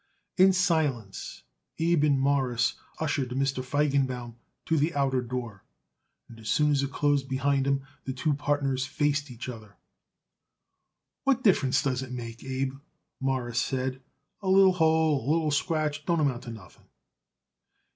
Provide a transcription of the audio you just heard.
In silence Abe and Morris ushered Mr. Feigenbaum to the outer door, and as soon as it closed behind him the two partners faced each other. "What difference does it make, Abe?" Morris said. "A little hole and a little scratch don't amount to nothing."